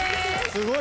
すごい。